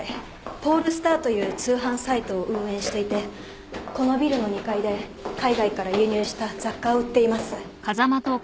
ポールスターという通販サイトを運営していてこのビルの２階で海外から輸入した雑貨を売っています。